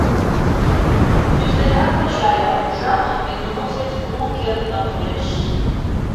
Тӱсленрак ончальым, ужам — миноносец уло кертмын толеш.